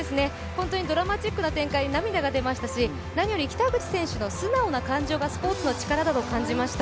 本当にドラマチックな展開に涙が出ましたし何より北口選手の素直な感情がスポーツの力だと感じました。